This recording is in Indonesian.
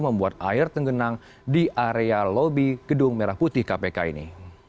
membuat air tenggenang di area lobi gedung merah putih kpk ini